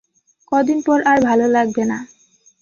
কদিন পর আর ভালো লাগবে না।